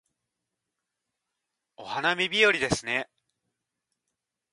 お花見日和ですね